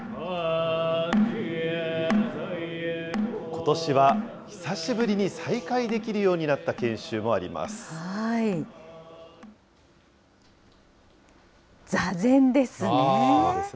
ことしは久しぶりに再開できるようになった研修もあります。